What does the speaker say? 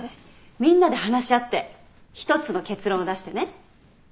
みんなで話し合って１つの結論を出してね。